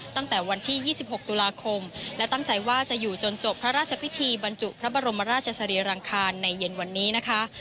ตั้งแต่วันที่๒๖ตุลาคมและตั้งใจว่าจะอยู่จนจบพระราชพิธีบรรจุพระบรมราชสรีรังคารในเย็นวันนี้นะคะ